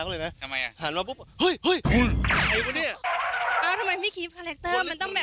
เขาพูดไปแล้วผมไม่กล้ามองหน้าเขาเลยนะ